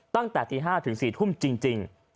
ตั้งแต่ตี๕ถึง๔ทุ่มจริง